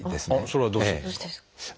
それはどうしてですか？